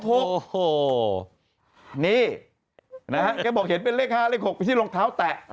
ก็แบบเห็นเป็นเลข๕เรียก๖ไปที่รองเท้าแตะ